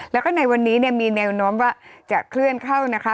แล้วก็ในวันนี้มีแนวโน้มว่าจะเคลื่อนเข้านะคะ